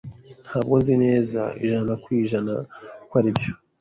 Ntabwo nzi neza ijana kwijana ko aribyo.